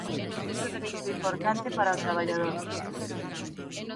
Outro dereito importante para o traballador.